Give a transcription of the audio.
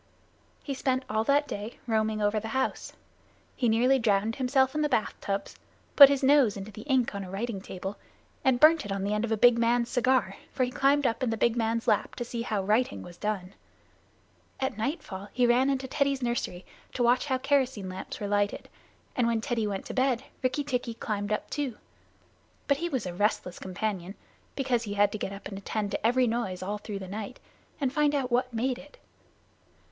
He spent all that day roaming over the house. He nearly drowned himself in the bath tubs, put his nose into the ink on a writing table, and burned it on the end of the big man's cigar, for he climbed up in the big man's lap to see how writing was done. At nightfall he ran into Teddy's nursery to watch how kerosene lamps were lighted, and when Teddy went to bed Rikki tikki climbed up too. But he was a restless companion, because he had to get up and attend to every noise all through the night, and find out what made it.